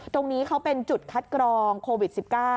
ตรงนี้เขาเป็นจุดคัดกรองโควิด๑๙